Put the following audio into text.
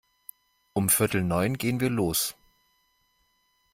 Um viertel neun gehen wir los.